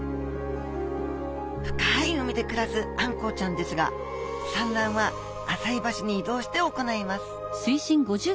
深い海で暮らすあんこうちゃんですが産卵は浅い場所に移動して行います。